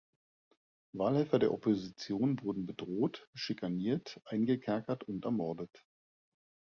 Wahlhelfer der Opposition wurden bedroht, schikaniert, eingekerkert und ermordet.